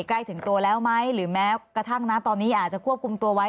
ใกล้ถึงตัวแล้วไหมหรือแม้กระทั่งนะตอนนี้อาจจะควบคุมตัวไว้